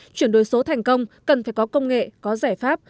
chuyển đổi số thành công cần phải có công nghệ có giải pháp